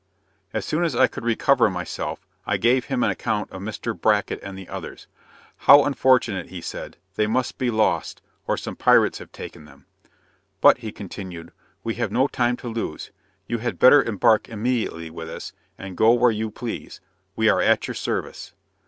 As soon as I could recover myself, I gave him an account of Mr. Bracket and the others. "How unfortunate," he said, "they must be lost, or some pirates have taken them." "But," he continued, "we have no time to lose; you had better embark immediately with us, and go where you please, we are at your service."